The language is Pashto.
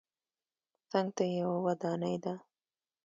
څنګ ته یې یوه ودانۍ ده.